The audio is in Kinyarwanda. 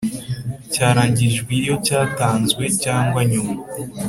Cyarangirijwe iyo cyatanzwe cyangwa nyuma